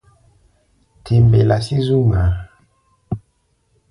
Te mbelá sí zú ŋmaa.